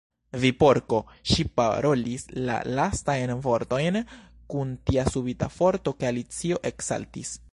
"Vi Porko!" Ŝi parolis la lastajn vortojn kun tia subita forto ke Alicio eksaltis.